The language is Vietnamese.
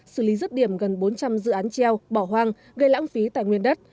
xử lý rứt điểm gần bốn trăm linh dự án treo bỏ hoang gây lãng phí tài nguyên đất